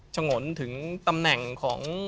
ชงนถึงตำแหน่ง